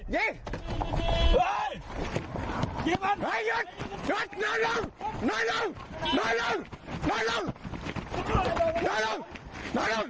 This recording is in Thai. เยี่ยมันไม่หยุดเงินลงหนอยลงเอาไปโน่นเอาไปโน่น